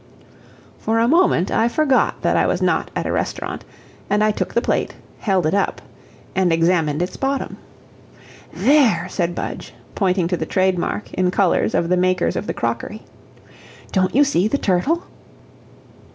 For a moment I forgot that I was not at a restaurant, and I took the plate, held it up, and examined its bottom. "There!" said Budge, pointing to the trademark, in colors, of the makers of the crockery, "don't you see the turtle?"